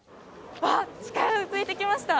あっ、近づいてきました。